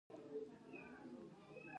د ویش په وخت کې لوی ناورین وشو.